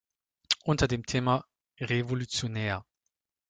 Unter dem Thema: „Revolutionär!